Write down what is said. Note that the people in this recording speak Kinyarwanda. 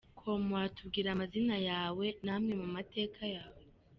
com : Watubwira amazina yawe n’amwe mu mateka yawe ?.